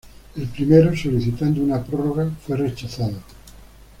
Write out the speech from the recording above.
El primero, solicitando una prórroga, fue rechazado.